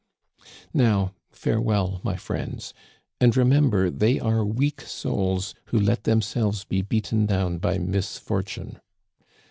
Now, farewell, my friends ; and remember they are weak souls who let themselves be beaten down by misfortune.